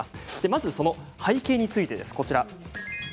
まず、その背景についてです。